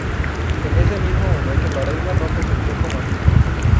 En ese mismo momento la Reina rompe su espejo mágico.